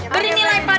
beri nilai pak d